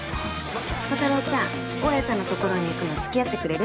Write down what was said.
コタローちゃん大家さんのところに行くの付き合ってくれる？